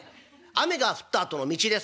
雨が降ったあとの道ですか？」。